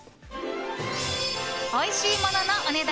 おいしいもののお値段